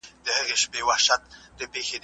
تاسو د مستو په خوړلو بوخت یاست.